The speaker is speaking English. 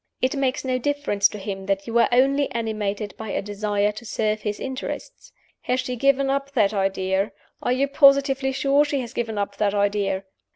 It makes no difference to him that you are only animated by a desire to serve his interests. 'Has she given up that idea? Are you positively sure she has given up that idea?